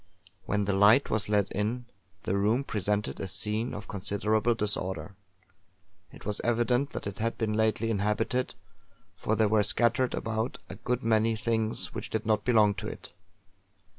When the light was let in, the room presented a scene of considerable disorder. It was evident that it had been lately inhabited, for there were scattered about, a good many things which did not belong to it.